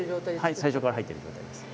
はい最初から入っている状態です。